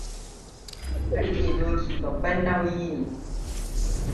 Rike doki babban nauyi ne.